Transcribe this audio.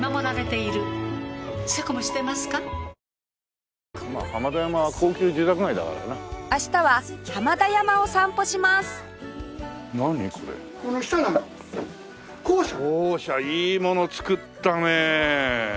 いいもの作ったね。